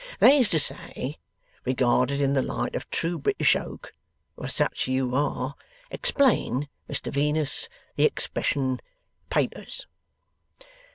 that is to say, regarded in the light of true British Oak, for such you are explain, Mr Venus, the expression "papers"!